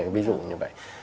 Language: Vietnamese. ví dụ như vậy